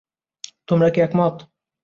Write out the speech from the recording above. তোমরা কি একমত?